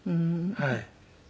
はい。